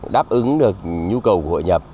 đáp ứng được nhu cầu của hội nhập